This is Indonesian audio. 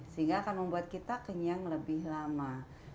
sehingga akan membuat kita kenyang lebih lama